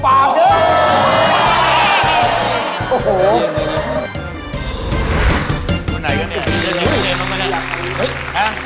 ไปไหนกันเนี่ยน้องแม่น